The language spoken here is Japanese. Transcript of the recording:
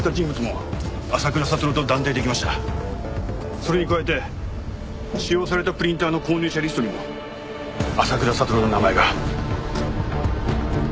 それに加えて使用されたプリンターの購入者リストにも浅倉悟の名前が。